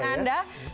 setiap harinya ya